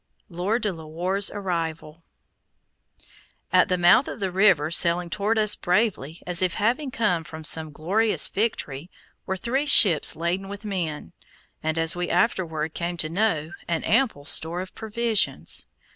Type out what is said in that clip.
LORD DE LA WARR'S ARRIVAL At the mouth of the river, sailing toward us bravely as if having come from some glorious victory, were three ships laden with men, and, as we afterward came to know, an ample store of provisions.